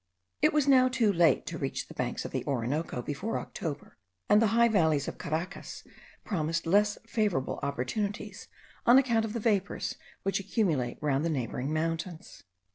It was now too late to reach the banks of the Orinoco before October; and the high valleys of Caracas promised less favourable opportunities, on account of the vapours which accumulate round the neighbouring mountains.